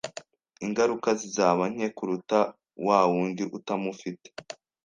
Ingaruka zizaba nke kuruta wa wundi utamufite